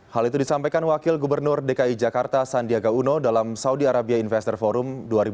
hal itu disampaikan wakil gubernur dki jakarta sandiaga uno dalam saudi arabia investor forum dua ribu dua puluh